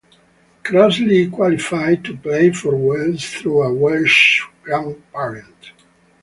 Crossley qualified to play for Wales through a Welsh grandparent.